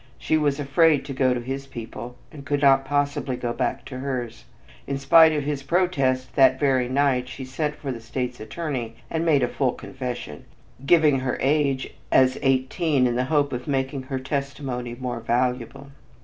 She was afraid to go to his people and could not possibly go back to hers. In spite of his protest, that very night she sent for the state's attorney and made a full confession, giving her age as eighteen in the hope of making her testimony more valuable.